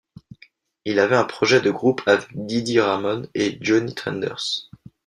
Il avait un projet de groupe avec Dee Dee Ramone et Johnny Thunders.